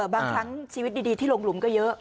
บางครั้งชีวิตดีที่ลงหลุมก็เยอะ